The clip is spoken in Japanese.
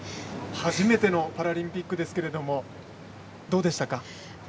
初めてのパラリンピックですけどどうでしたか。